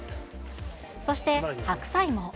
そして、白菜も。